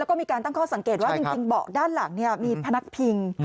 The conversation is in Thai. แล้วก็มีการตั้งข้อสังเกตว่าจริงเบาะด้านหลังมีพนักพิง